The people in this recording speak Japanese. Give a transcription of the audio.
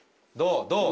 どう？